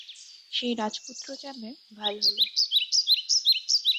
সেই রাজপুত্র যাবে ভালহোল-এ।